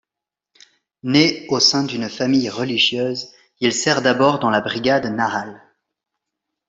Né au sein d'une famille religieuse, il sert d'abord dans la brigade Nahal.